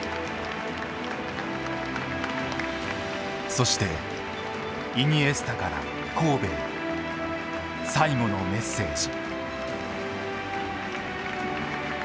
そしてイニエスタから神戸へ最後のメッセージ。